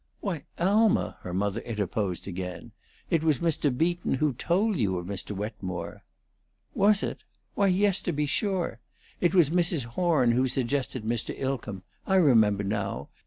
"Why, Alma," her mother interposed again, "it was Mr. Beaton who told you of Mr. Wetmore." "Was it? Why, yes, to be sure. It was Mrs. Horn who suggested Mr. Ilcomb. I remember now.